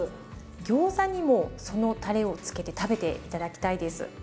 ギョーザにもそのたれを付けて食べて頂きたいです。